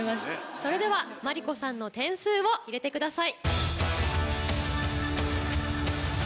それでは ｍａｒｉｋｏ さんの点数を入れてください。